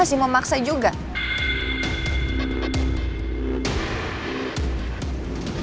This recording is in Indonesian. udah ngejelasin udah ngaku